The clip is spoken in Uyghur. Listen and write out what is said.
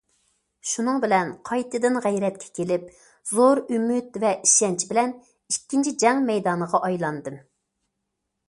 شۇنىڭ بىلەن قايتىدىن غەيرەتكە كېلىپ، زور ئۈمىد ۋە ئىشەنچ بىلەن ئىككىنچى جەڭ مەيدانىغا ئايلاندىم.